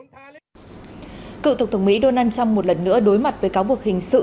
cựu tổng thống mỹ donald trump một lần nữa đối mặt với cáo buộc hình sự